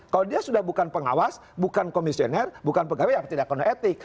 kalau dia sudah bukan pengawas bukan komisioner bukan pegawai apa tidak kode etik